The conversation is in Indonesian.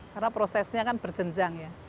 karena prosesnya kan berjenjang ya